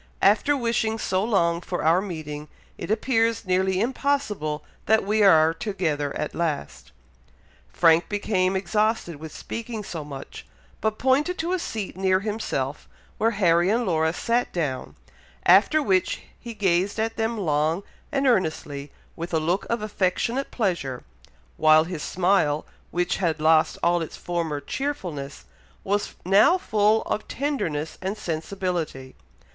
After wishing so long for our meeting, it appears nearly impossible that we are together at last." Frank became exhausted with speaking so much, but pointed to a seat near himself, where Harry and Laura sat down, after which he gazed at them long and earnestly, with a look of affectionate pleasure, while his smile, which had lost all its former cheerfulness, was now full of tenderness and sensibility.